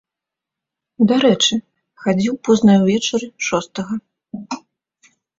Дарэчы, хадзіў позна ўвечары шостага.